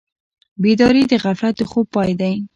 بیداري د غفلت د خوب پای دی.